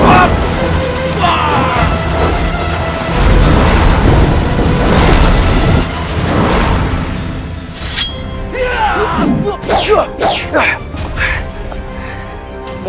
aku akan menahan dirimu